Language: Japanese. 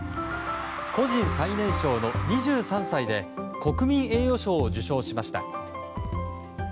個人最年少の２３歳で国民栄誉賞を受賞しました。